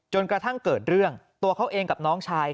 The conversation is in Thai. กระทั่งเกิดเรื่องตัวเขาเองกับน้องชาย